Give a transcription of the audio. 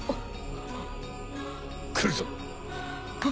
来るぞ！